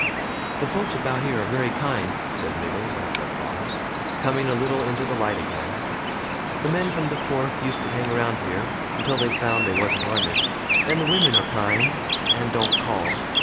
"The folks about here are very kind," said Miggles, after a pause, coming a little into the light again. "The men from the fork used to hang around here, until they found they wasn't wanted, and the women are kind and don't call.